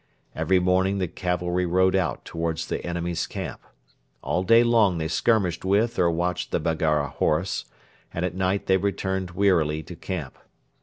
Every morning the cavalry rode out towards the enemy's camp. All day long they skirmished with or watched the Baggara horse, and at night they returned wearily to camp.